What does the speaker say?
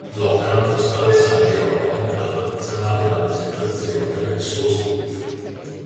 L'opera mostra san Girolamo nella tradizionale rappresentazione nel suo studio.